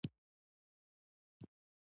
د خپلې برخې شتمني د ګټلو هڅه وکړئ.